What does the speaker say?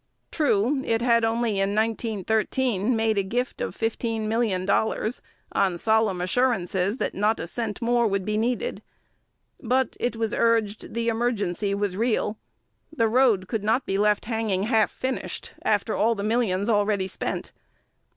True, it had only in 1913 made a gift of $15,000,000 on solemn assurances that not a cent more would be needed. But, it was urged, the emergency was real. The road could not be left hanging half finished, after all the millions already spent.